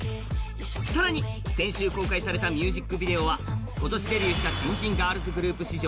更に、先週公開されたミュージックビデオは今年デビューした新人ガールグループ史上